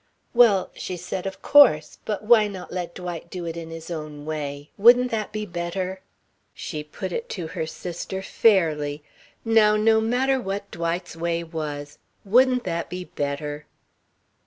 "Well," she said, "of course. But why not let Dwight do it in his own way? Wouldn't that be better?" She put it to her sister fairly: Now, no matter what Dwight's way was, wouldn't that be better?